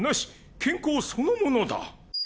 健康そのものだ。